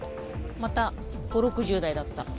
また５０６０台だった。